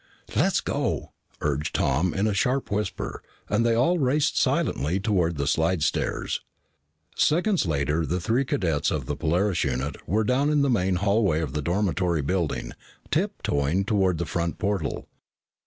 "Let's go," urged Tom in a sharp whisper, and they all raced silently toward the slidestairs. Seconds later, the three cadets of the Polaris unit were down in the main hallway of the dormitory building, tiptoeing toward the front portal.